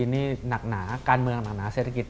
นี่หนักหนาการเมืองหนักหนาเศรษฐกิจ